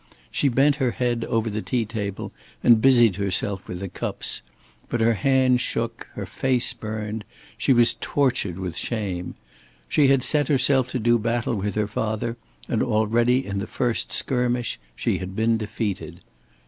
She bent her head over the tea table and busied herself with the cups. But her hands shook; her face burned, she was tortured with shame. She had set herself to do battle with her father, and already in the first skirmish she had been defeated.